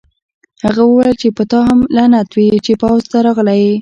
هغه وویل چې په تا هم لعنت وي چې پوځ ته راغلی یې